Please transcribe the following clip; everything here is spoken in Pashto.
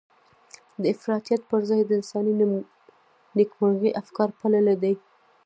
د افراطيت پر ځای د انساني نېکمرغۍ افکار پاللي دي.